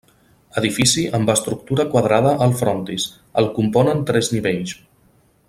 Edifici amb estructura quadrada al frontis; el componen tres nivells.